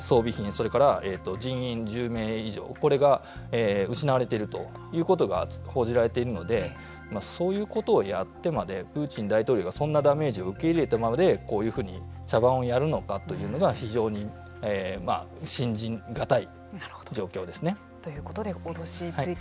それから人員１０名以上これが失われているということが報じられているのでそういうことをやってまでプーチン大統領がそんなダメージを受け入れてまでこういうふうに茶番をやるのかというのが非常に信じがたい状況ですね。ということで脅し、追求